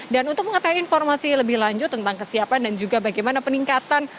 dan untuk mengetahui informasi lebih lanjut tentang kesiapan dan juga bagaimana peningkatan